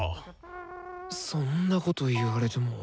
そんなこと言われても。